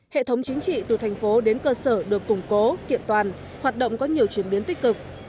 hệ thống chính trị từ thành phố đến cơ sở được củng cố kiện toàn hoạt động có nhiều chuyển biến tích cực